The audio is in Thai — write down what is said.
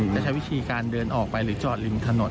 จะใช้วิธีการเดินออกไปหรือจอดริมถนน